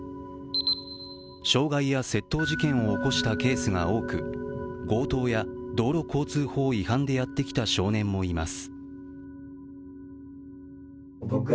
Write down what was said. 傷害や窃盗事件を起こしたケースが多く強盗や道路交通法違反でやってきた少年もいます。